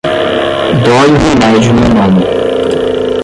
Dói o remédio no nome.